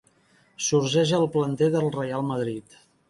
Sorgeix al planter del Reial Madrid.